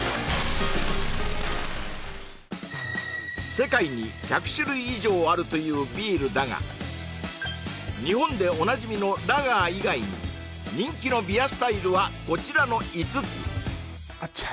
世界に１００種類以上あるというビールだが日本でおなじみのラガー以外に人気のビアスタイルはこちらの５つあちゃ